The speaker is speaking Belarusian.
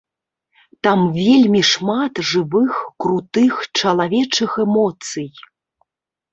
Там вельмі шмат жывых крутых чалавечых эмоцый.